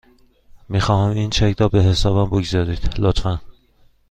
میخواهم این چک را به حساب بگذارم، لطفاً.